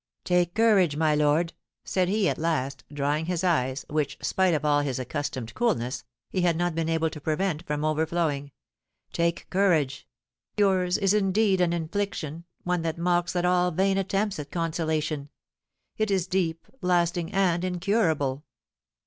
"Take courage, my lord," said he at last, drying his eyes, which, spite of all his accustomed coolness, he had not been able to prevent from overflowing, "take courage; yours is indeed an infliction, one that mocks at all vain attempts at consolation; it is deep, lasting, and incurable!"